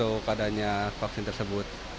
kepadanya vaksin tersebut